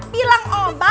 bilang om bas jomblo menaun